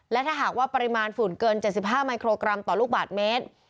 และถ้าหากว่าปริมาณฝุ่นเกิน๗๕มิโครกรัมต่อลูกบาทเมตร